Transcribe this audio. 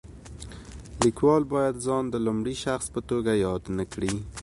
لیکوال باید ځان د لومړي شخص په توګه یاد نه کړي.